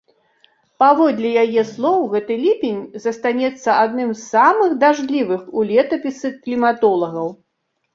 Паводле яе слоў, гэты ліпень застанецца адным з самых дажджлівых у летапісы кліматолагаў.